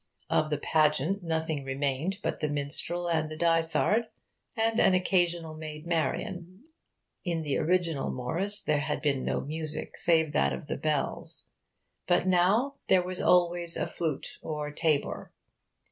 Of the 'pageant' nothing remained but the minstrel and the dysard and an occasional Maid Marian. In the original Morris there had been no music save that of the bells. But now there was always a flute or tabor.